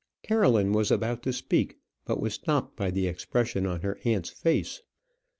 Caroline was about to speak, but was stopped by the expression on her aunt's face.